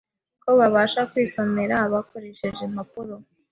ko babasha kwisomera bakoresheje impapuro